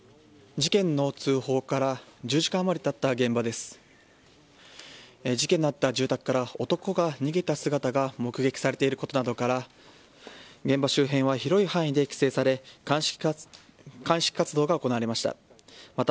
事件のあった住宅から男が逃げた姿が目撃されていることなどから現場周辺は広い範囲で規制され鑑識活動が行われました。